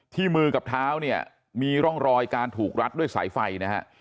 มือกับเท้าเนี่ยมีร่องรอยการถูกรัดด้วยสายไฟนะฮะ